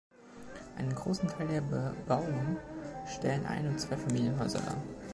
Einen großen Teil der Bebauung stellen Ein- und Zweifamilienhäuser dar.